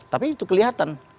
tapi itu kelihatan